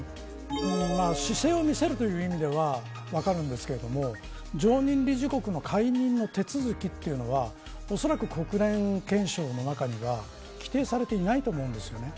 姿勢を見せるという意味では分かるんですけど常任理事国の解任の手続きというのはおそらく国連憲章の中には規定されていないと思うんです。